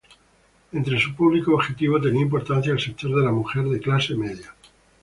Entre su público objetivo tenía importancia el sector de la mujer de clase media.